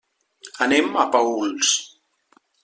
Anem a Paüls.